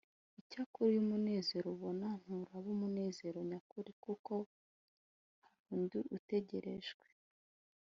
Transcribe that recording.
icyakora uyu munezero ubona nturaba umunezero nyakuri kuko hari undi utegerejwe